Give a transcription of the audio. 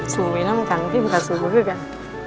สูงวินัมสังพิมขาดสูงขึ้นกัน